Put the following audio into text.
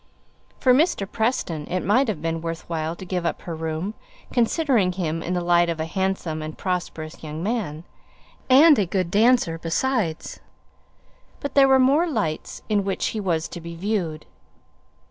For Mr. Preston it might have been worth while to give up her room, considering him in the light of a handsome and prosperous young man, and a good dancer besides. But there were more lights in which he was to be viewed.